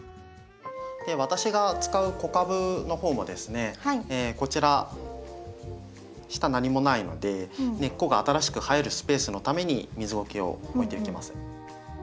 私が使う子株の方もですねこちら下何もないので根っこが新しく生えるスペースのために水ごけを置いていきます。